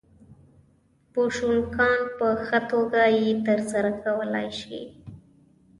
بوشونګان په ښه توګه یې ترسره کولای شي